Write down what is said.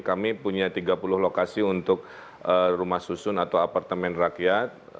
kami punya tiga puluh lokasi untuk rumah susun atau apartemen rakyat